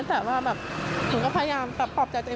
แต่ว่าหนูก็พยายามตอบตอบจากใจ